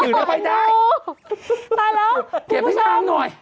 ตายแล้วคุณผู้ชมเกลียดพี่มังหน่อย